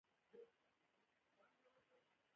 پکورې د کلیوالو پخلنځی ښيي